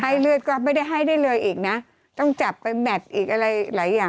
เลือดก็ไม่ได้ให้ได้เลยอีกนะต้องจับไปแมทอีกอะไรหลายอย่าง